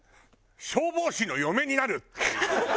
「消防士の嫁になる！」。